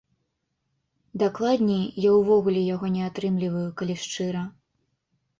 Дакладней, я ўвогуле яго не атрымліваю, калі шчыра.